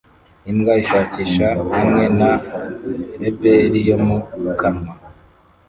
Imbwa ishakisha hamwe na reberi yo mu kanwa